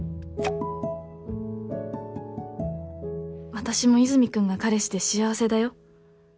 「私も和泉君が彼氏で幸せだよ」